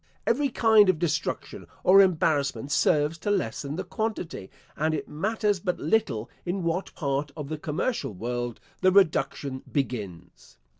Every kind of destruction or embarrassment serves to lessen the quantity, and it matters but little in what part of the commercial world the reduction begins.